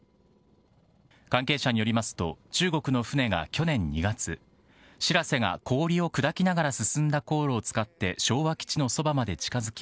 関係者によりますと中国の船が去年２月「しらせ」が氷を砕きながら進んだ航路を使って昭和基地のそばまで近づき